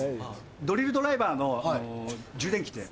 ドリルドライバーの充電器って。